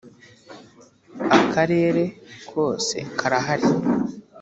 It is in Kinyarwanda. akarere kose karahari.